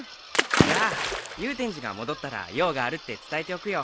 じゃあ祐天寺が戻ったら用があるって伝えておくよ。